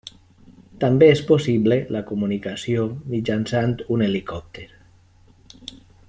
També és possible la comunicació mitjançant un helicòpter.